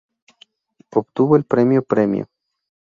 Obtuvo el premio Premio.